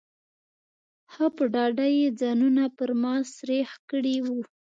ښه په ډاډه یې ځانونه پر ما سرېښ کړي وو.